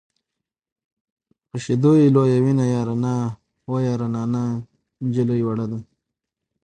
په شیدو یې لویوینه یاره نا وه یاره نا نجلۍ وړه ده.